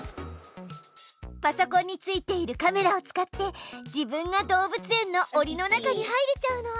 パソコンについているカメラを使って自分が動物園のおりの中に入れちゃうの。